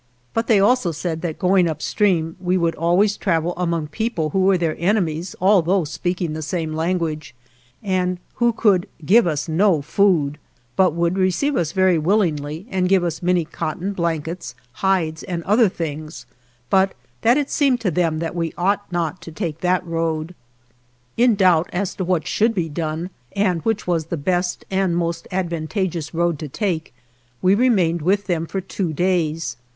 But they also said that, going upstream, we would always travel among people who were their enemies, al though speaking the same language, and who could give us no food, but would re ceive us very willingly, and give us many cotton blankets, hides and other things ; but that it seemed to them that we ought not to take that road. In doubt as to what should be done, and which was the best and most advantageous road to take, we remained with them for two days.